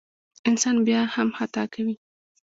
انسان بیا هم خطا کوي.